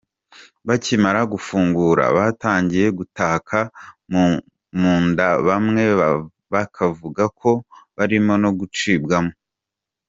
Bakimara gufungura, batangiye gutaka mu nda bamwe bakavuga ko barimo no gucibwamo.